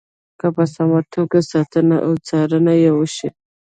که په سمه توګه ساتنه او څارنه یې وشي.